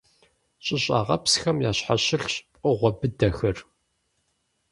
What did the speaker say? ЩӀыщӀагъыпсхэм ящхьэщылъщ пкъыгъуэ быдэхэр.